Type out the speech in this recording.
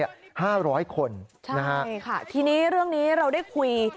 ใช่ค่ะทีนี้เรื่องนี้เราได้คุย